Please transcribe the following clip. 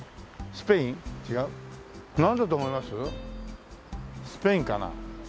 スペインかな。